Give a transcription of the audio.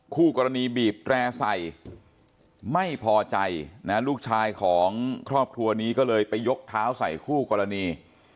คู่กรณีบีบแตร่ใส่ไม่พอใจนะลูกชายของครอบครัวนี้ก็เลยไปยกเท้าใส่คู่กรณี